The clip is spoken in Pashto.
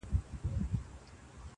د سلگيو ږغ يې ماته را رسيږي.